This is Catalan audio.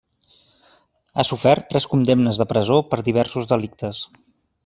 Ha sofert tres condemnes de presó per diversos delictes.